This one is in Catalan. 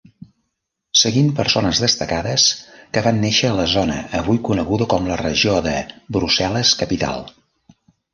Seguint persones destacades que van néixer a la zona avui coneguda com la Regió de Brussel·les-Capital.